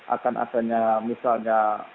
akan adanya misalnya